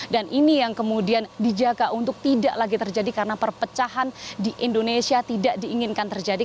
dan ini yang kemudian dijaga untuk tidak lagi terjadi karena perpecahan di indonesia tidak diinginkan terjadi